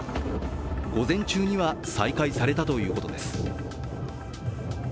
午前中には再開されたということです。